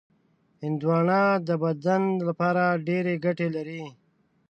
هندوانه د بدن لپاره ډېرې ګټې لري.